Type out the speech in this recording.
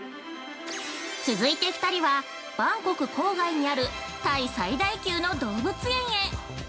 ◆続いて２人はバンコク郊外にあるタイ最大級の動物園へ。